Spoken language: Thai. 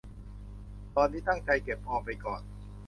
ตอนนี้ตั้งใจเก็บออมไปก่อน